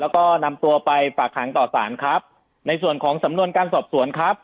แล้วก็นำตัวไปฝากหางต่อสารครับในส่วนของสำนวนการสอบสวนครับ